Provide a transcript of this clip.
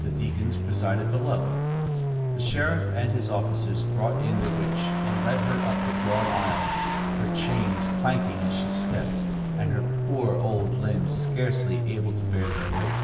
The deacons presided below. The sheriff and his officers brought in the witch and led her up the broad aisle, her chains clanking as she stepped, and her poor old limbs scarcely able to bear their weight.